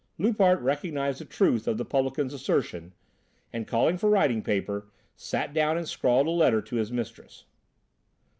Loupart recognised the truth of the publican's assertion and, calling for writing paper, sat down and scrawled a letter to his mistress.